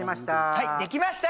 はいできました！